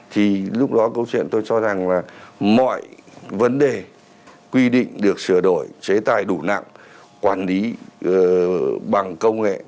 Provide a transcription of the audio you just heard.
thì lúc đó câu chuyện tôi cho rằng là mọi vấn đề quy định được sửa đổi chế tài đủ nặng quản lý bằng công nghệ